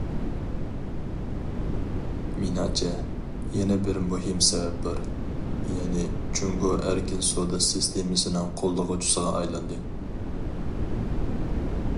مېنىڭچە، يەنە بىر مۇھىم سەۋەب بار، يەنى جۇڭگو ئەركىن سودا سىستېمىسىنىڭ قوللىغۇچىسىغا ئايلاندى.